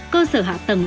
cơ sở hạ tầng